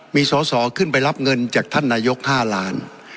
มีสอสอขึ้นไปรับเงินจากท่านนายก๕ล้าน